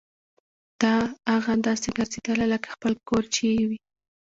داه اغه داسې ګرځېدله لکه خپل کور چې يې وي.